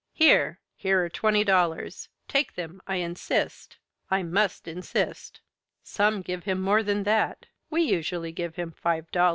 Here! Here are twenty dollars! Take them I insist! I must insist!" Some give him more than that. We usually give him five dollars.